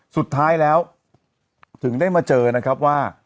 สุดท้ายแล้วถึงได้มาเจอนะครับว่า